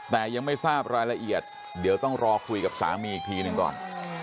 แต่ยังไม่ทราบรายละเอียดเดี๋ยวต้องรอคุยกับสามีอีกทีหนึ่งก่อน